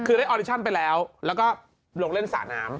คือได้ออดิชั่นไปแล้วแล้วก็ลงเล่นสระน้ำ